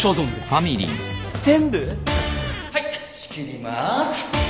はい仕切ります。